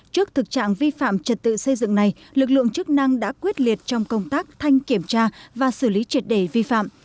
trước thực trạng vi phạm trật tự xây dựng này lực lượng chức năng đã quyết liệt trong công tác thanh kiểm tra và xử lý triệt đề vi phạm